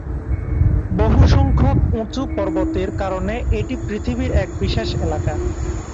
বহুসংখ্যক উঁচু পর্বতের কারণে এটি পৃথিবীর এক বিশেষ এলাকা।